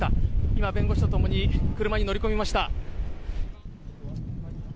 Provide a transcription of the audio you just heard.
今、弁護士と共に車に乗り込みました。